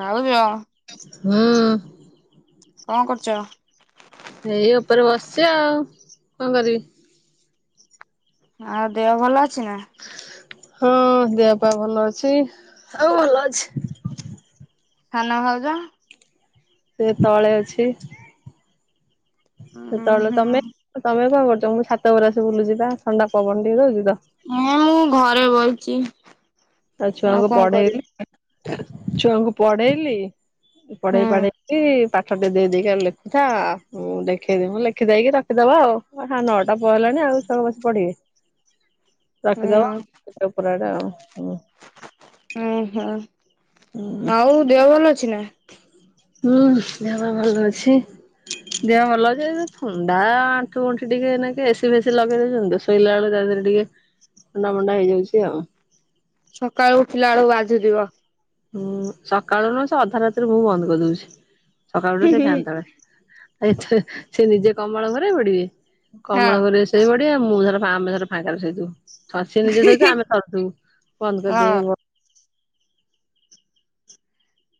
ଭାଉଜ। ହଁ। କଣ କରୁଚ। ଏଇ ଉପରେ ବସିଛି ଆଉ କଣ କରିବି? ଆ ଦେହ ଭଲ ଅଛି ନା? ହଁ ଦେହପାଭଲ ଅଛି ଆଉ ଭଲ ଅଛି। ସାନ ଭାଉଜ। ସେ ତଳେ ଅଛି। ଉଁ ସେତେବେଳେ ହୁଁ ତମେ ତମେ କଣ କରୁଛ ମୁ ଛାତ ଉପରେ ଆସ ବୁଲୁ ଯିବା ଥଣ୍ଡା ପବନ ଟିକେ ଦଉଛି ତ। ହଁ ମୁଁ ଘରେ ବଇଚି। ଆଉ ଛୁଆଙ୍କୁ କଣ କରିବି ପଢେଇଲି ଛୁଆଙ୍କୁ ପଢେଇଲି ହୁଁ। ପଢେଇ ପଢେଇ କିପାଖ ଆଠଟିେ ଦେଇେଇକି ଆଉ ଲେଖୁଥା ଦେଖେଇଦିବୁ ଲେଖିଦେଇକି ରଖିଦବା ଆଉ ହ ନଅଟା ପହେଲାଣି ଆଉ। ତ ବସି ପଡିବେ [unintelligible] ହୁଁ ରଖିଦବା ଉପରାଟେ ଆଉ ହଁ। ଓହୋ ଆଉ ଦେହ ଭଲ ଅଛି ନା? ହୁଁ ଦେହ ପା ଭଲ ଅଛି। ଦେହ ଭଲ ଥଣ୍ଡା ଆଣ୍ଠୁ ଗଣ୍ଠି ଟିକେ ଏନେକା ଏସି ଫେସି ଲଗେଇଦଉଛନ୍ତି ଶୋଇଲା ବେଳକୁ ତା ଦେହରେ ଟିକେ ଥଣ୍ଡା ମଣ୍ଡା ହେଇଯାଉଛି ଆଉ। ସକାଳୁ ଉଠିଲା ବେଳକୁ ଭାବୁଥିବ। ହୁଁ ସକାଳୁ ନୁ ସେ ଅଧା ରାତିରେ ମୁଁ ବନ୍ଦ କରିଦଉଛି ସକାଳୁୁ ସେ ଫ୍ୟାନ ତଳେ। ସେ ନିଜେ କମଳ ଘୋଡେଇପଡିବେ ହଁ କମଳ ଘୋଡେଇ ଶୋଇ ପଡିବେମୁଁଧର ଆମେ ଧରର୍ଫାଙ୍କାରେ ଶୋଇଥିବୁ। ସସି ନିଜେ ଶୋଉଥିବେଆମେ ସିବୁ ବନ୍ଦ କରିଦେ ହଁ [unintelligible]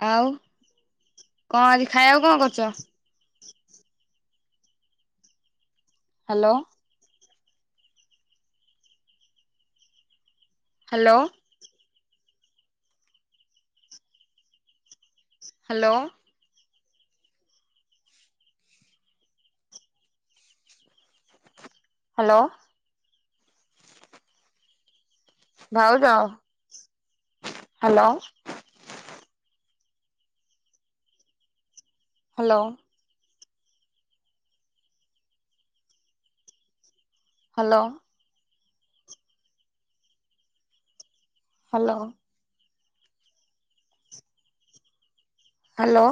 ଆଉ କଣ ଆଜି ଖାଇବାକୁ କଣ କରୁଛ? ହ୍ୟାଲୋ। ହ୍ୟାଲୋ। ହ୍ୟାଲୋ। ହ୍ୟାଲୋ। ଭାଉଜ hello. Hello. Hello. Hello hello